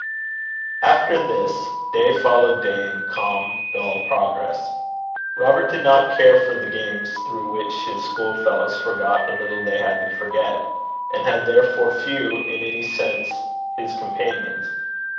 After this, day followed day in calm, dull progress. Robert did not care for the games through which his school fellows forgot the little they had to forget, and had therefore few in any sense his companions.